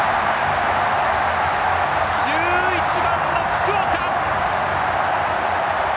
１１番の福岡！